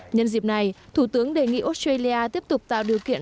nhân dịp này thủ tướng đề nghị australia tiếp tục tạo điều kiện